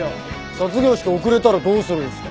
卒業式遅れたらどうするんすか。